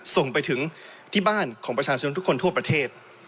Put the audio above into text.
ส่งไปถึงที่บ้านของประชาชนทุกคนทั่วประเทศ